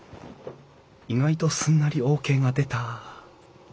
意外とすんなりＯＫが出た。